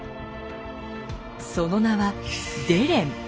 その名は「デレン」。